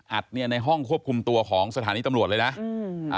อัดเนี่ยในห้องควบคุมตัวของสถานีตำรวจเลยนะ